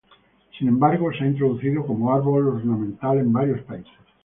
Sin embargo, se ha introducido como árbol ornamental en varios países.